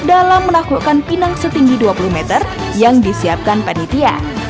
dalam menaklukkan pinang setinggi dua puluh meter yang disiapkan panitia